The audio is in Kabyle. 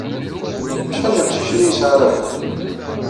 Acḥal n yeqcicen ay yesɛa Rabaḥ?